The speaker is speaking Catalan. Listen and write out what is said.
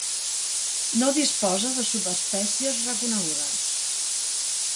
No disposa de subespècies reconegudes.